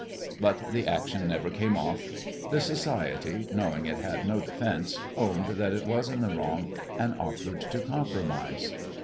But the action never came off. The society, knowing it had no defence, owned that it was in the wrong, and offered to compromise.